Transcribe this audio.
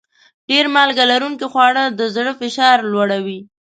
ډېر مالګه لرونکي خواړه د زړه فشار لوړوي.